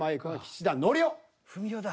文雄だ。